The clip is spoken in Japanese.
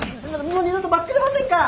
もう二度とばっくれませんから！